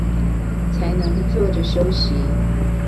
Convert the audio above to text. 才能坐著休息